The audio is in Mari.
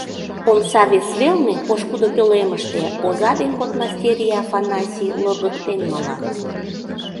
Омса вес велне, пошкудо пӧлемыште, оза ден подмастерье Афанасий лоргыктен малат...